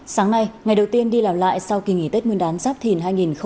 sáng nay ngày đầu tiên đi làm lại sau kỳ nghỉ tết nguyên đán giáp thìn hai nghìn hai mươi bốn